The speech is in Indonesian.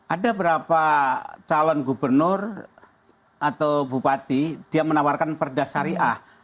ada beberapa calon gubernur atau bupati dia menawarkan perdasariah